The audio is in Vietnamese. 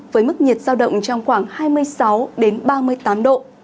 với mức nhiệt giao động trong khoảng hai mươi sáu ba mươi tám độ